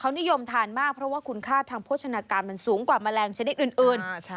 นิยมทานมากเพราะว่าคุณค่าทางโภชนาการมันสูงกว่าแมลงชนิดอื่น